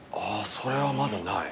それはまだない。